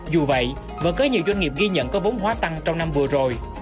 dù vậy vẫn có nhiều doanh nghiệp ghi nhận có vốn hóa tăng trong năm vừa rồi